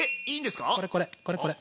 これこれこれこれ。